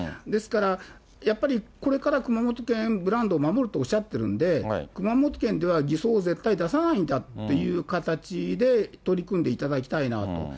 ですから、やっぱりこれから熊本県ブランドを守るとおっしゃってるんで、熊本県では偽装を絶対出さないんだという形で取り組んでいただきたいなと。